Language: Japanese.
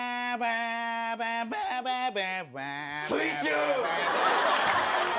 水中。